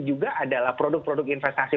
juga adalah produk produk investasi